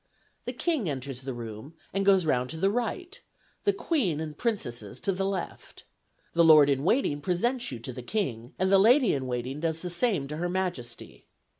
The King enters the room, and goes round to the right; the Queen and Princesses to the left. The lord in waiting presents you to the King; and the lady in waiting does the same to her Majesty.